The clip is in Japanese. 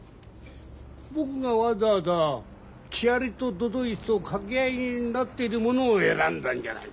僕がわざわざ木遣りと都々逸を掛け合いになってるものを選んだんじゃないか。